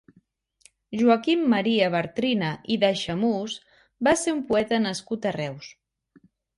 Joaquim Maria Bartrina i d'Aixemús va ser un poeta nascut a Reus.